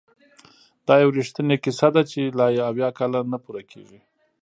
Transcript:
دا یو رښتینې کیسه ده چې لا یې اویا کاله نه پوره کیږي!